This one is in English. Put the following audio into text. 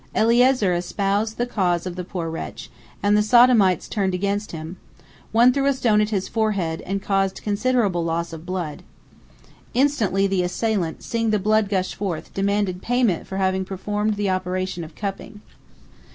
Eliezer espoused the cause of the poor wretch, and the Sodomites turned against him; one threw a stone at his forehead and caused considerable loss of blood. Instantly, the assailant, seeing the blood gush forth, demanded payment for having performed the operation of cupping.